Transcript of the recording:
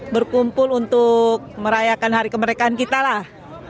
berkumpul untuk merayakan hari kemerdekaan kita lah